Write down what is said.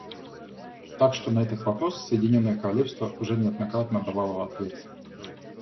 Так что на этот вопрос Соединенное Королевство уже неоднократно давало ответ.